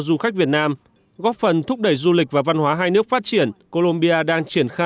du khách việt nam góp phần thúc đẩy du lịch và văn hóa hai nước phát triển colombia đang triển